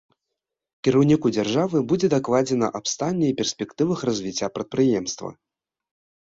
Кіраўніку дзяржавы будзе дакладзена аб стане і перспектывах развіцця прадпрыемства.